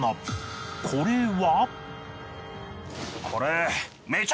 これは。